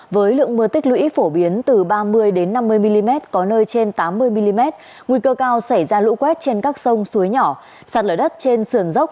với lượng mưa tích lũy phổ biến từ ba mươi năm mươi mm có nơi trên tám mươi mm nguy cơ cao xảy ra lũ quét trên các sông suối nhỏ sạt lở đất trên sườn dốc